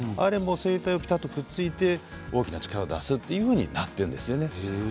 声帯をくっつけて大きな力を出すというふうになっているんですね。